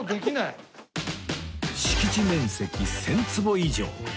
敷地面積１０００坪以上！